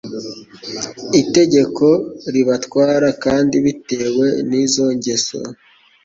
itegeko ribatwara; kandi bitewe n’izo ngeso